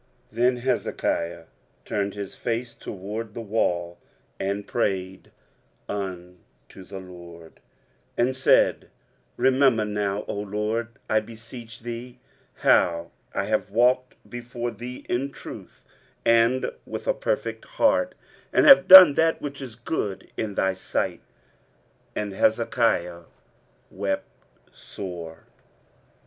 23:038:002 Then Hezekiah turned his face toward the wall, and prayed unto the LORD, 23:038:003 And said, Remember now, O LORD, I beseech thee, how I have walked before thee in truth and with a perfect heart, and have done that which is good in thy sight. And Hezekiah wept sore.